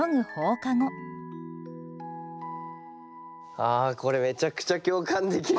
あこれめちゃくちゃ共感できる。